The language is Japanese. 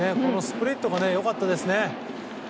スプリットが良かったですね。